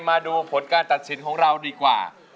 มาดูผลการตัดสินของเราดีกว่า